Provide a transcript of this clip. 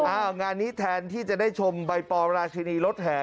งานนี้แทนที่จะได้ชมใบปอราชินีรถแห่